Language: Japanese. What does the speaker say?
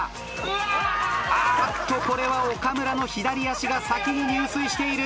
あっとこれは岡村の左足が先に入水している。